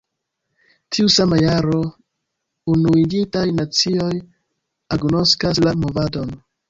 Tiu sama jaro, Unuiĝintaj Nacioj agnoskas la movadon.